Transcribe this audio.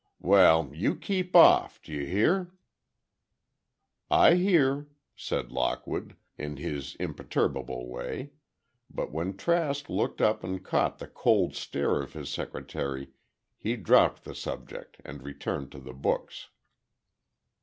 "Well—you keep off—do you hear?" "I hear," said Lockwood, in his imperturbable way, but when Trask looked up and caught the cold stare of his secretary, he dropped the subject and returned to the books.